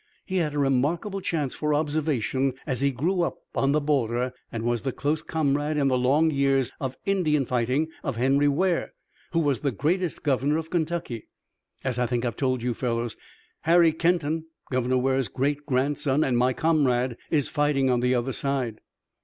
He had a remarkable chance for observation as he grew up on the border, and was the close comrade in the long years of Indian fighting of Henry Ware, who was the greatest governor of Kentucky. As I think I've told you fellows, Harry Kenton, Governor Ware's great grandson and my comrade, is fighting on the other side."